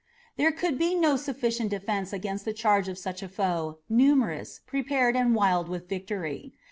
There could be no sufficient defense against the charge of such a foe, numerous, prepared and wild with victory.